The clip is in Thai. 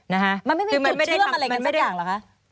นะคะมันไม่มีจุดเชื่อมอะไรกันสักอย่างเหรอคะ